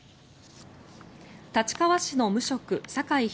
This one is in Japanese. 立川市の無職酒井弘